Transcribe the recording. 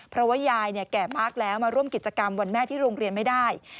เพราะว่ายายแก่มากแล้วมาร่วมกิจกรรมวันแม่ที่โรงเรียนไม่ได้